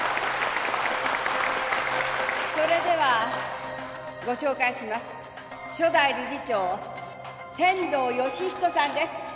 「それではご紹介します」「初代理事長天堂義人さんです。